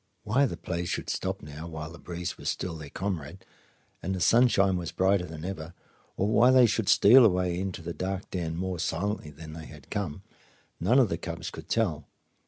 Why the play should stop now, while the breeze was still their comrade and the sunshine was brighter than ever, or why they should steal away into the dark den more silently than they had come, none of the cubs could tell.